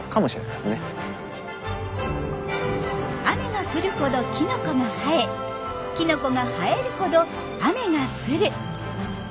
雨が降るほどキノコが生えキノコが生えるほど雨が降る。